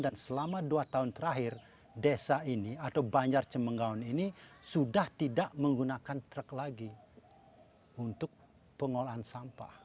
dan selama dua tahun terakhir desa ini atau banjar cemenggaon ini sudah tidak menggunakan truk lagi untuk pengolahan sampah